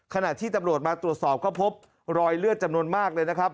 ขณะที่ตำรวจมาตรวจสอบก็พบรอยเลือดจำนวนมากเลยนะครับ